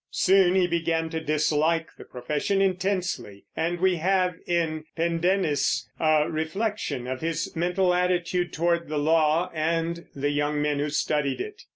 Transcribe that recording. Soon he began to dislike the profession intensely, and we have in Pendennis a reflection of his mental attitude toward the law and the young men who studied it.